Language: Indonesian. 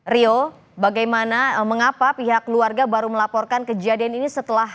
rio bagaimana mengapa pihak keluarga baru melaporkan kejadian ini setelah